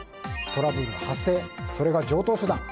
トラブル発生、それが常套手段。